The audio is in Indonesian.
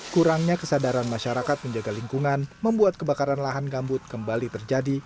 kurangnya kesadaran masyarakat menjaga lingkungan membuat kebakaran lahan gambut kembali terjadi